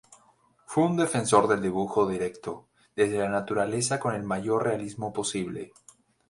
Fue un defensor del dibujo directo desde la naturaleza con el mayor realismo posible.